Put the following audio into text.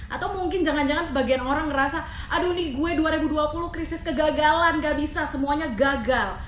atau mungkin jangan jangan sebagian orang ngerasa aduh nih gue dua ribu dua puluh krisis kegagalan gak bisa semuanya gagal